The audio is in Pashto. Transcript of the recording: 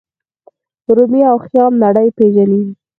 رومي او خیام نړۍ پیژني.